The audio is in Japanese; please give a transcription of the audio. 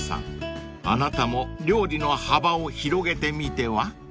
［あなたも料理の幅を広げてみては？］